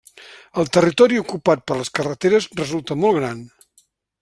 El territori ocupat per les carreteres resulta molt gran.